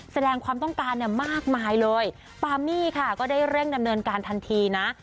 แสดงความต้องการเนี่ยมากมายเลยปามี่ค่ะก็ได้เร่งดำเนินการทันทีนะ